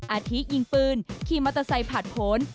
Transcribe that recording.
อาทิตย์ยิงปืนขี้มัตตาไสผัดผล